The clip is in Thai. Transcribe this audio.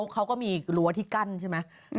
เขาก็มีรั้วที่กั้นใช่ไหม